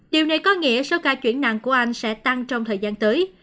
điều này có nghĩa số ca chuyển nặng của anh sẽ tăng trong thời gian tới